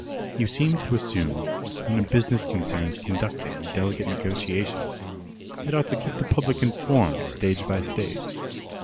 You seem to assume, when a business concern is conducting a delicate negotiation, it ought to keep the public informed stage by stage.